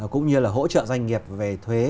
cũng như là hỗ trợ doanh nghiệp về thuế